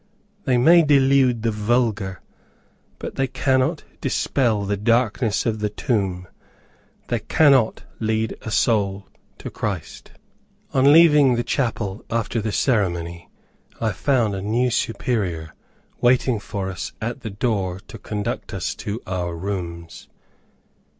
They may delude the vulgar, but they cannot dispel the darkness of the tomb, they cannot lead a soul to Christ. On leaving the chapel after the ceremony, I found a new Superior, waiting for us at the door to conduct us to our rooms.